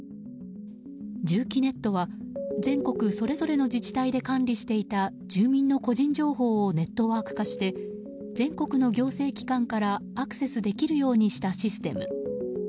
住基ネットは、全国それぞれの自治体で管理していた住民の個人情報をネットワーク化して全国の行政機関からアクセスできるようにしたシステム。